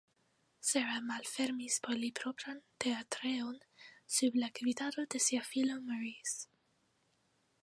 Sarah malfermis por li propran teatrejon sub la gvidado de sia filo Maurice.